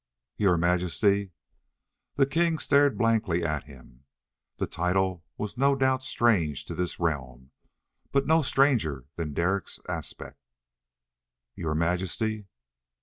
"Your Majesty...." The king stared blankly at him. The title was no doubt strange to this realm, but no stranger than Derek's aspect. "Your Majesty...."